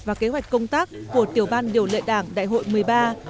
và kế hoạch công tác của tiểu ban điều lệ đảng đại hội một mươi ba